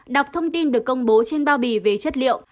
đọc thông tin được công bố trên bao bì về chất liệu